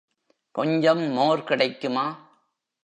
கொஞ்சம் மோர் கிடைக்குமா?